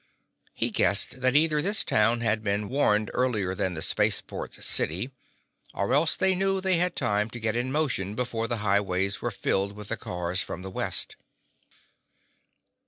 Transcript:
He guessed that either this town had been warned earlier than the spaceport city, or else they knew they had time to get in motion before the highways were filled with the cars from the west.